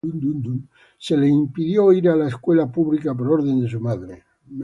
Se le impidió ir a la escuela pública por orden de su madre.